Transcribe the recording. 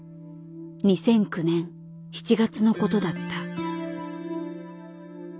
２００９年７月のことだった。